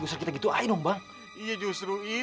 maaf pak permisi